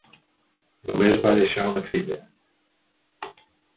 Només va deixar una filla.